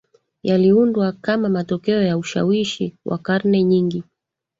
yaliundwa kama matokeo ya ushawishi wa karne nyingi